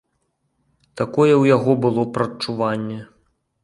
Такое ў яго было прадчуванне.